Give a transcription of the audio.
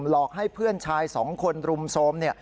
หลอกให้เพื่อนชายสองคนรุมโทรม